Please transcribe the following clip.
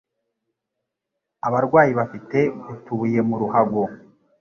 abarwayi bafite utubuye mu ruhago